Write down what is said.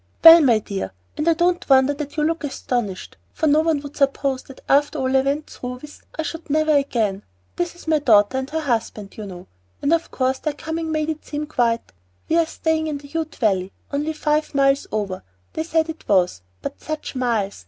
"Well, my dear, and I don't wonder that you look astonished, for no one would suppose that after all I went through with I should ever again This is my daughter, and her husband, you know, and of course their coming made it seem quite We are staying in the Ute Valley; only five miles over, they said it was, but such miles!